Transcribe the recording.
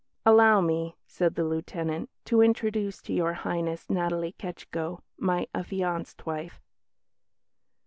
"Allow me," said the Lieutenant, "to introduce to Your Highness Natalie Ketschko, my affianced wife."